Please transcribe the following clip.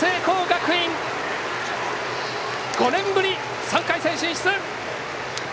学院５年ぶり３回戦進出！